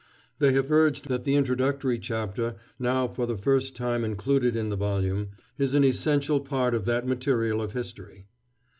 They have urged that the introductory chapter, now for the first time included in the volume, is an essential part of that material of history.